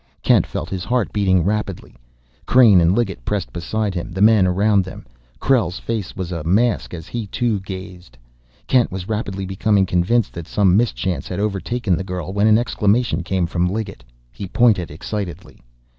Kent felt his heart beating rapidly. Crain and Liggett pressed beside him, the men around them; Krell's face was a mask as he too gazed. Kent was rapidly becoming convinced that some mischance had overtaken the girl when an exclamation came from Liggett. He pointed excitedly.